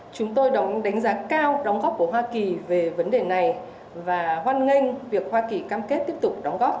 chúng tôi đánh giá cao đóng góp của hoa kỳ về vấn đề này và hoan nghênh việc hoa kỳ cam kết tiếp tục đóng góp